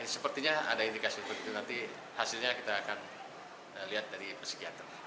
sepertinya ada indikasi seperti itu nanti hasilnya kita akan lihat dari psikiater